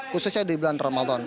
khususnya di bulan ramadan